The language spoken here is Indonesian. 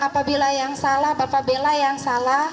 apabila yang salah bapak bela yang salah